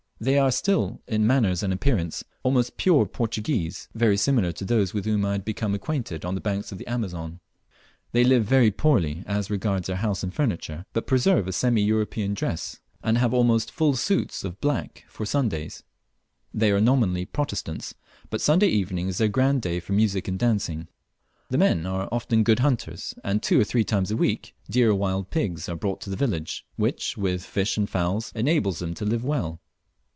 They are still in manners and appearance almost pure Portuguese, very similar to those with whom I had become acquainted on the banks of the Amazon. They live very poorly as regards their house and furniture, but preserve a semi European dress, and have almost all full suits of black for Sundays. They are nominally Protestants, but Sunday evening is their grand day for music and dancing. The men are often good hunters; and two or three times a week, deer or wild pigs are brought to the village, which, with fish and fowls, enables them to live well.